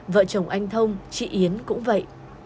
vợ chồng anh thông chị yến cũng vậy